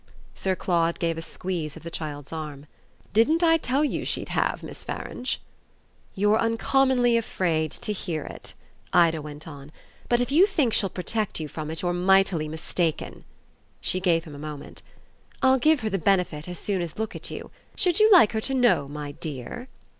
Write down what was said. Sir Claude gave a squeeze of the child's arm. "Didn't I tell you she'd have, Miss Farange?" "You're uncommonly afraid to hear it," Ida went on; "but if you think she'll protect you from it you're mightily mistaken." She gave him a moment. "I'll give her the benefit as soon as look at you. Should you like her to know, my dear?"